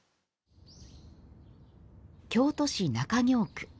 京都市中京区。